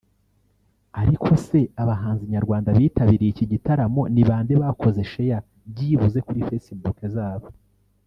Ariko se abahanzi nyarwanda bitabiriye iki gitaramo ni bande bakoze share byibuze kuri facebook zabo